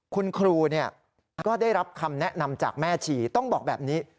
คุณครูก็ได้รับคำแนะนำจากแม่ชีต้องบอกแบบนี้